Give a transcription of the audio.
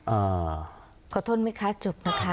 อ่าโอเคค่ะขอโทษนะคะจบไหมคะขอโทษนะคะ